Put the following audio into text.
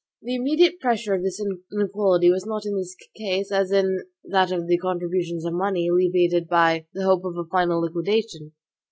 The immediate pressure of this inequality was not in this case, as in that of the contributions of money, alleviated by the hope of a final liquidation.